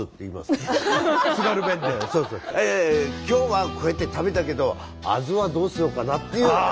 「今日はこうやって食べたけどアズはどうしようかな」っていう。